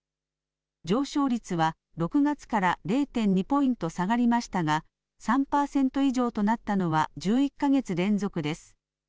上昇率は６月から０．２ポイント下がりましたが３％以上となったのは１１か月連続です。